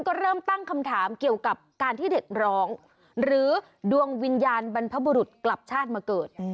ก็เริ่มตั้งคำถามเกี่ยวกับการที่เด็กร้องหรือดวงวิญญาณบรรพบุรุษกลับชาติมาเกิด